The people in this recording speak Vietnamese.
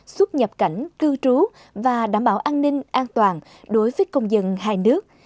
xuất nhập cảnh cư trú và đảm bảo an ninh an toàn đối với công dân hai nước